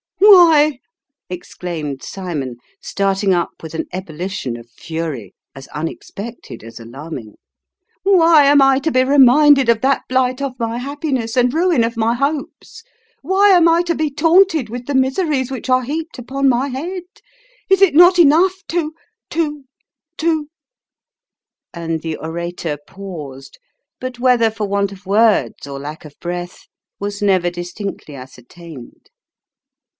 " Why," exclaimed Cymon, starting up with an ebullition of fury, as unexpected as alarming, " Why am I to be reminded of that blight of my happiness, and ruin of my hopes ? Why am I to be taunted with the miseries which are heaped upon my head ? Is it not enough to to to " and the orator paused ; but whether for want of words, or lack of breath, was never distinctly ascertained.